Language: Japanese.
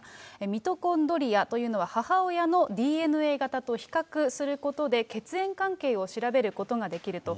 ミトコンドリアというのは、母親のＤＮＡ型と比較することで、血縁関係を調べることができると。